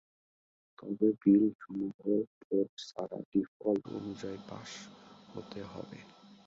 তবে বিল সমূহ ভোট ছাড়া ডিফল্ট অনুযায়ী পাস হতে পারে।